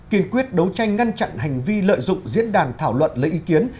kiên quyết đấu tranh ngăn chặn hành vi lợi dụng diễn đàn thảo luận lấy ý kiến